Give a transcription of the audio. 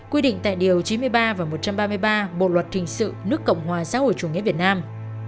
quy định tại điều chín mươi ba và một trăm ba mươi ba bộ luật hình sự nước cộng hòa xã hội chủ nghĩa việt nam